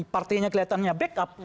partainya kelihatannya backup